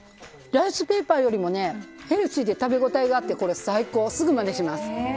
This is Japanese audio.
ライスペーパーよりもヘルシーで食べ応えがあって最高、すぐまねします。